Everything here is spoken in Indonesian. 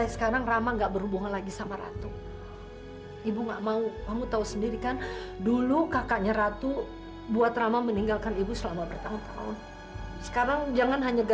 sampai jumpa di video selanjutnya